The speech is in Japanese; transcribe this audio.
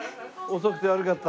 遅くて悪かった。